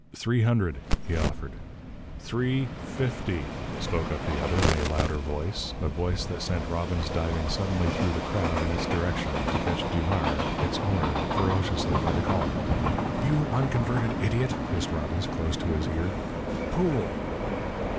"Three hundred," he offered. "Three fifty," spoke up the other, in a louder voice a voice that sent Robbins diving suddenly through the crowd in its direction, to catch Dumars, its owner, ferociously by the collar. "You unconverted idiot!" hissed Robbins, close to his ear "pool!"